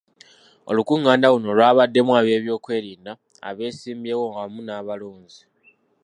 Olukungaana luno olwabaddemu ab'ebyokwerinda, abeesimbyewo wamu n'abalonzi.